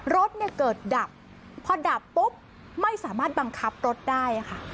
รถเนี่ยเกิดดับพอดับปุ๊บไม่สามารถบังคับรถได้ค่ะ